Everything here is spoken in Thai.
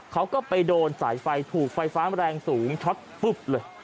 เขาก็ไปโดนสายไฟถูกไฟฟ้าแรงสูงช็อตปุ๊บเลย